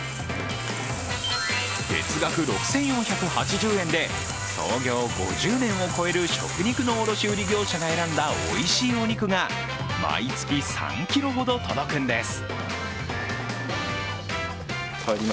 月額６４８０円で創業５０年を超える食肉の卸売業者が選んだおいしいお肉が毎月３ｋｇほど届くんです。